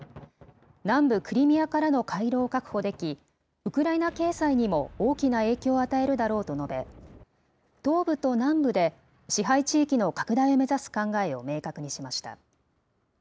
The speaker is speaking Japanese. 南部クリミアからの回廊を確保でき、ウクライナ経済にも大きな影響を与えるだろうと述べ、東部と南部で支配地域の拡大を目指す考えを明確にしました。